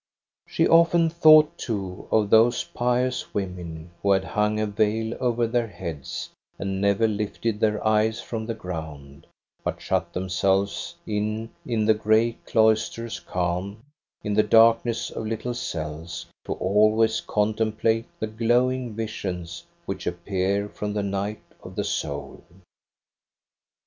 "She often thought, too, of those pious women who had hung a veil over their heads, and never lifted their eyes from the ground, but shut themselves in in the gray cloister's calm, in the darkness of little cells, to always contemplate the glowing visions which appear from the night of the soul.